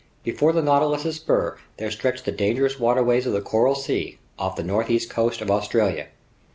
Before the Nautilus's spur there stretched the dangerous waterways of the Coral Sea, off the northeast coast of Australia.